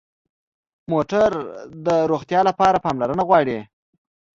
موټر د روغتیا لپاره پاملرنه غواړي.